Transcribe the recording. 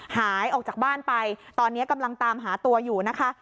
หายออกจากบ้านไปตอนนี้กำลังตามหาตัวอยู่นะคะ